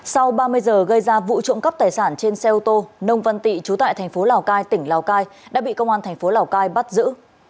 sau ba mươi giờ gây ra vụ trộm cắp tài sản trên xe ô tô nông văn tị chú tại tp lào cai tỉnh lào cai đã bị công an tp lào cai bắt giữ